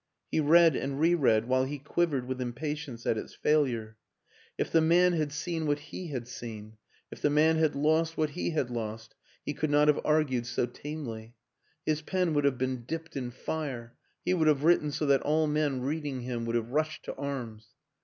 He read and re read while he quivered with impatience at its failure; if the man had seen 198 WILLIAM AN ENGLISHMAN what he had seen, if the man had lost what he had lost, he could not have argued so tamely. His pen would have been dipped in fire; he would have written so that all men reading him would have rushed to arms.